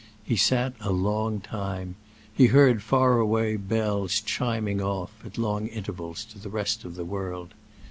He sat a long time; he heard far away bells chiming off, at long intervals, to the rest of the world.